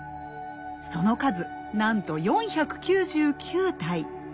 その数なんと４９９体。